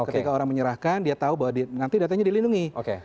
ketika orang menyerahkan dia tahu bahwa nanti datanya dilindungi